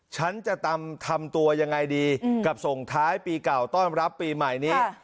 ฉันจะทำตัวยังไงดีกับส่งท้ายปีเก่าต้อนรับปีใหม่นี้